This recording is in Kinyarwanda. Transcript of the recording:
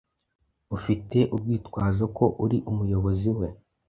Ufite urwitwazo ko ari umuyobozi we.